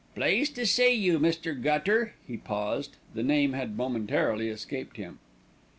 "Pleased to see you, Mr. Gutter " He paused, the name had momentarily escaped him.